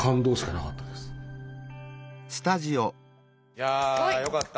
いやあよかった。